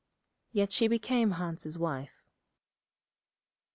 Yet she became Hans' wife.